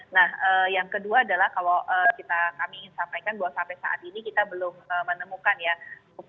nah yang kedua adalah kalau kami ingin sampaikan bahwa sampai saat ini kita belum menemukan ya